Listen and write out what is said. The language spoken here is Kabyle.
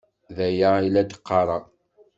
D aya i la d-qqareɣ.